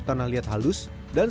wah debunya masuk hidung